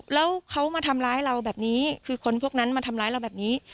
แล้วเขามาทำร้ายเราแบบนี้คือคนพวกนั้นมาทำร้ายเราแบบนี้